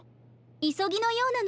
いそぎのようなの。